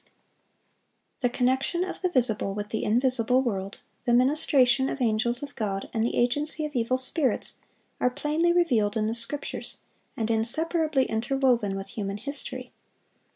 ] The connection of the visible with the invisible world, the ministration of angels of God, and the agency of evil spirits, are plainly revealed in the Scriptures, and inseparably interwoven with human history.